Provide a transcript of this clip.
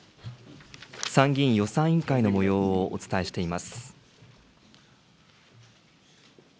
参議院予算委員会のもようをお伝えしています。